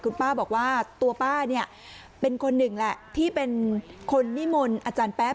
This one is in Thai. คุณป้าบอกว่าตัวป้าเนี่ยเป็นคนหนึ่งแหละที่เป็นคนนิมนต์อาจารย์แป๊ะ